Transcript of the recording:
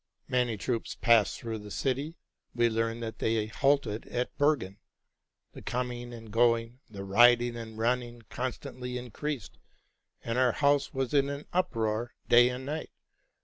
Many troops passed through the city : we learned that they halted at Bergen. The coming and going, the riding and running, constantly increased; and our house was in an uproar day and night.